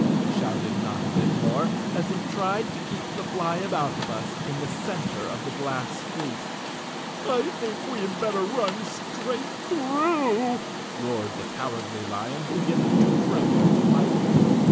shouted Notta Bit More, as he tried to keep the Flyaboutabus in the cen of the glass street. I think we had better run straight through," roared Cowardly Lion, beginning to tremble slightly.